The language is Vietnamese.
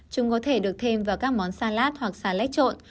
chúng có thể được thêm vào các món salad hoặc salad trộn